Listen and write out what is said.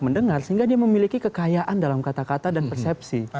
mendengar sehingga dia memiliki kekayaan dalam kata kata dan persepsi